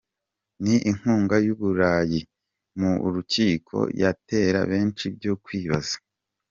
Ni Inkunga y’Uburayi mu rukiko yatera benshi byo kwibaza.